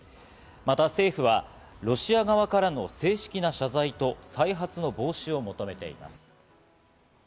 また政府はロシア側からの正式な謝罪と再発の防止を求めています。